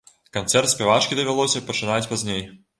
Канцэрт спявачкі давялося пачынаць пазней.